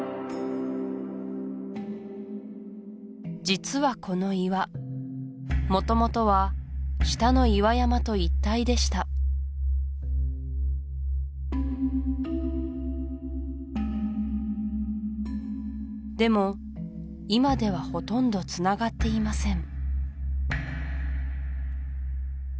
実はこの岩元々は下の岩山と一体でしたでも今ではほとんどつながっていません